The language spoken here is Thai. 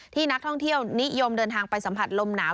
นักท่องเที่ยวนิยมเดินทางไปสัมผัสลมหนาว